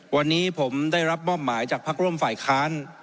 วันนี้ผมได้รับมอบหมายจากพักร่วมฝ่ายค้าน